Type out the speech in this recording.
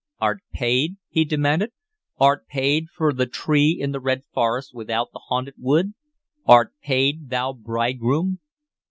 "Art paid?" he demanded. "Art paid for the tree in the red forest without the haunted wood? Art paid, thou bridegroom?"